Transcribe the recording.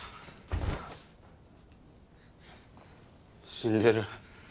死んでる。